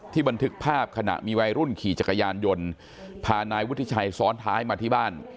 บันทึกภาพขณะมีวัยรุ่นขี่จักรยานยนต์พานายวุฒิชัยซ้อนท้ายมาที่บ้าน